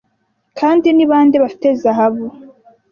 kandi ni bande bafite zahabu